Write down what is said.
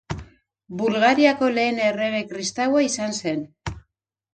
Bulgariako lehen errege kristaua izan zen.